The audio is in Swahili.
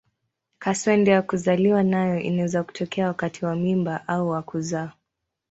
Kaswende ya kuzaliwa nayo inaweza kutokea wakati wa mimba au wa kuzaa.